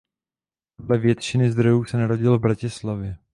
Podle většiny zdrojů se narodil v Bratislavě.